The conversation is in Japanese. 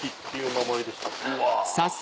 うわ。